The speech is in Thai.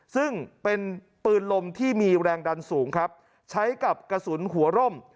ซึ่งเป็นปืนลมที่มีแรงดันสูงครับใช้กับกระสุนหัวร่ม